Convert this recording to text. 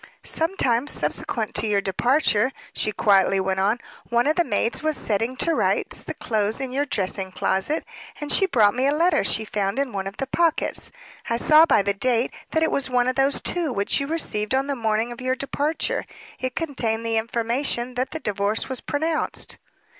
"Some time subsequent to your departure," she quietly went on, "one of the maids was setting to rights the clothes in your dressing closet, and she brought me a letter she found in one of the pockets. I saw by the date that it was one of those two which you received on the morning of your departure. It contained the information that the divorce was pronounced."